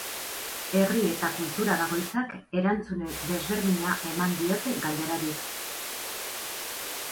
Herri eta kultura bakoitzak erantzun desberdina eman diote galderari.